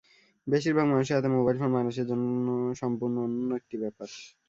বেশির ভাগ মানুষের হাতে মোবাইল ফোন বাংলাদেশের জন্য সম্পূর্ণ অনন্য একটি ব্যাপার।